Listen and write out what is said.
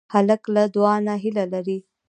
هلک له دعا نه هیله لري.